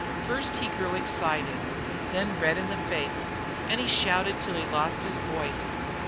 First he grew excited, then red in the face, and he shouted till he lost his voice.